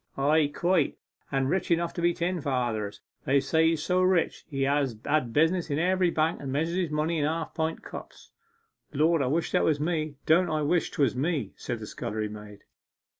'Ay, quite; and rich enough to be ten fathers. They say he's so rich that he has business in every bank, and measures his money in half pint cups.' 'Lord, I wish it was me, don't I wish 'twas me!' said the scullery maid.